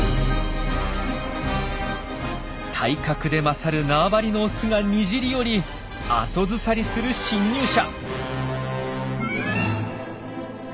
体格で勝る縄張りのオスがにじり寄り後ずさりする侵入者。